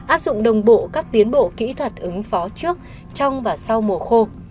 áp dụng đồng bộ các tiến bộ kỹ thuật ứng phó trước trong và sau mùa khô